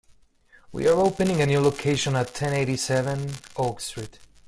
We are opening a new location at ten eighty-seven Oak Street.